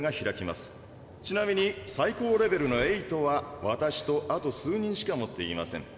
ちなみに最高レベルの８は私とあと数人しか持っていません。